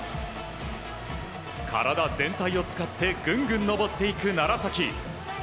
体全体を使ってぐんぐん登っていく楢崎。